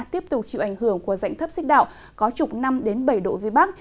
tiếp tục chịu ảnh hưởng của dạnh thấp xích đạo có trục năm đến bảy độ phía bắc